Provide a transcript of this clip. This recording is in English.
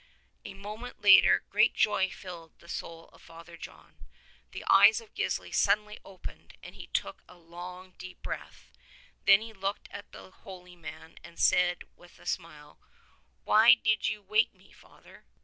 A moment later great joy filled the soul of Father John. The eyes of Gisli suddenly opened, and he took a long deep breath. Then he looked at the holy man and said with a smile, "Why did you wake me. Father?"